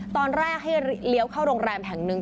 ตอนแรกให้เลี้ยวเข้าโรงแรมแห่งหนึ่ง